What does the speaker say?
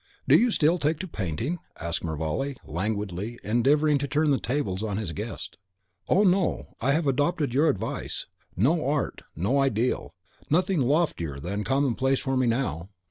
"Do you still take to painting?" asked Mervale, languidly, endeavouring to turn the tables on his guest. "Oh, no; I have adopted your advice. No art, no ideal, nothing loftier than Commonplace for me now.